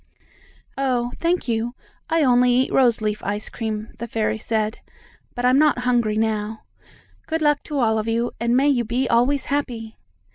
"Oh, thank you, I only eat rose leaf ice cream," the fairy said. "But I'm not hungry now. Good luck to all of you, and may you be always happy!"